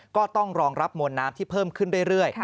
ก็ต้องรองรับมวลน้ำที่เพิ่มขึ้นเรื่อย